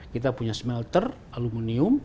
kita punya smelter aluminium